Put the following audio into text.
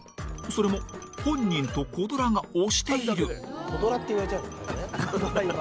それも、本人とコ・ドラが押している。